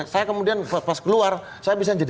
saya kemudian pas keluar saya bisa jadi